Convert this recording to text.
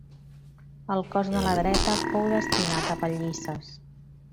El cos de la dreta fou destinat a pallisses.